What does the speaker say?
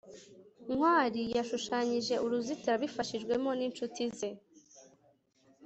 ntwali yashushanyije uruzitiro abifashijwemo n'inshuti ze